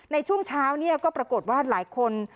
ในช่วงเช้าเนี่ยก็ปรากฏว่าหลายคน